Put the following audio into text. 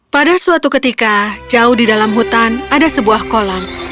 pada suatu ketika jauh di dalam hutan ada sebuah kolam